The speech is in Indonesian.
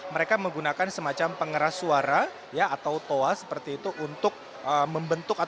mereka menggunakan semacam pengeras suara atau toa seperti itu untuk membentuk